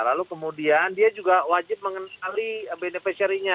lalu kemudian dia juga wajib mengenali beneficirinya